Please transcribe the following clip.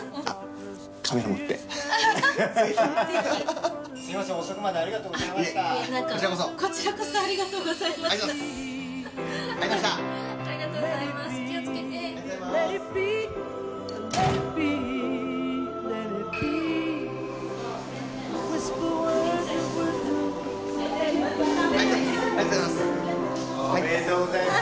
ありがとうございます！